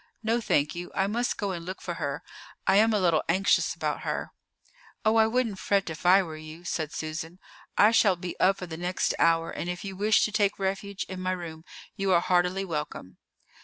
"No, thank you. I must go and look for her; I am a little anxious about her." "Oh, I wouldn't fret if I were you," said Susan. "I shall be up for the next hour, and if you wish to take refuge in my room you are heartily welcome."